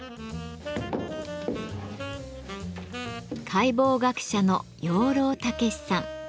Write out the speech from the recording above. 解剖学者の養老孟司さん。